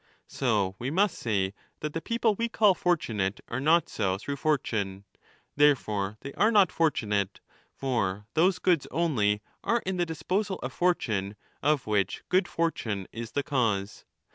So we must say that the people we call fortunate are not so through 1247^ fortune ; therefore they are not fortunate, for those goods only are in the disposal of fortune of which good fortune is the cause.